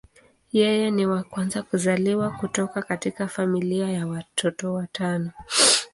Yeye ni wa kwanza kuzaliwa kutoka katika familia ya watoto watano.